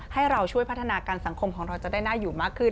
ให้เราช่วยพัฒนาการสังคมของเราจะได้น่าอยู่มากขึ้น